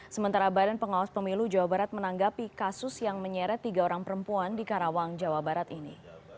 sementara badan pengawas pemilu jawa barat menanggapi kasus yang menyeret tiga orang perempuan di karawang jawa barat ini